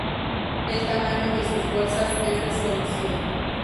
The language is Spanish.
El tamaño de sus fuerzas es desconocido.